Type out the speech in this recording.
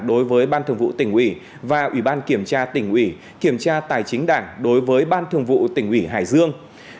đối với ban thường vụ tỉnh ủy và ủy ban kiểm tra tỉnh ủy kiểm tra tài chính đảng đối với ban thường vụ tỉnh ủy hải dương